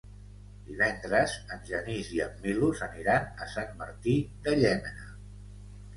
Divendres en Genís i en Milos aniran a Sant Martí de Llémena.